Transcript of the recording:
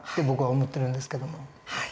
僕は思ってるんですけども。